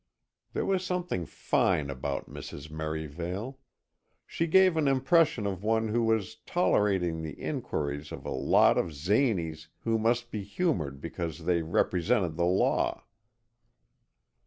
There was something fine about Mrs. Merivale. She gave an impression of one who was tolerating the inquiries of a lot of zanies who must be humoured because they represented the law.